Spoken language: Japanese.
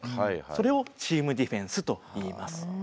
それを「チームディフェンス」と言います。